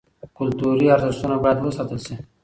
کلتوري ارزښتونه بايد وساتل سي.